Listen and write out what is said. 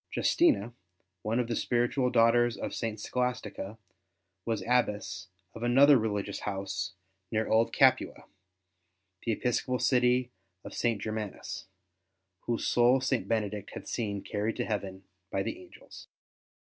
Justina, one of the spiritual daughters of St. Scholastica, was Abbess of another religious house near Old Capua, the episcopal city of St. Germanus, whose soul St. Benedict had seen carried to heaven by the angels.